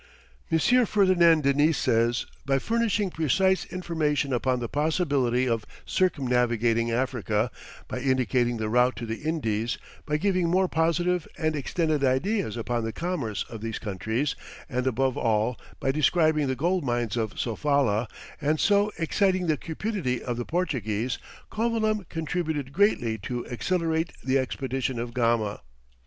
M. Ferdinand Denis says, "By furnishing precise information upon the possibility of circumnavigating Africa, by indicating the route to the Indies, by giving more positive and extended ideas upon the commerce of these countries, and above all, by describing the gold mines of Sofala, and so exciting the cupidity of the Portuguese, Covilham contributed greatly to accelerate the expedition of Gama." [Illustration: Vasco da Gama. From an old print.